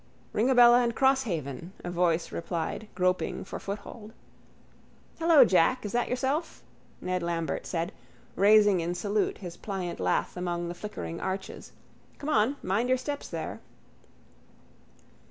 —Ringabella and Crosshaven, a voice replied groping for foothold. —Hello, Jack, is that yourself? Ned Lambert said, raising in salute his pliant lath among the flickering arches. Come on. Mind your steps there.